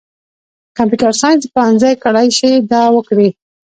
کمپیوټر ساینس پوهنځۍ کړای شي دا وکړي.